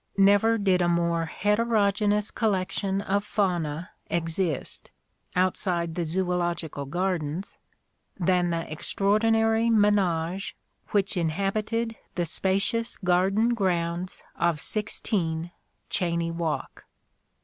Never did a more heterogenous collection of fauna exist, — outside the Zoological Gardens — than the extra ordinary menage which inhabited the spacious garden grounds of 16, Gheyne Walk.